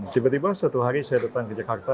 tiba tiba satu hari saya datang ke jakarta